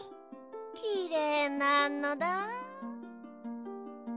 きれいなのだ。